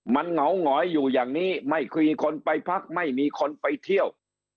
มันเหงาหงอยอยู่อย่างนี้ไม่คุยคนไปพักไม่มีคนไปเที่ยว